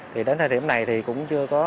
thì đến thời điểm này thì cũng chưa có